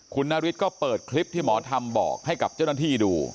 คุณนฤทธิก็เปิดคลิปที่หมอทำบอกให้กับเจ้าหน้าที่ดู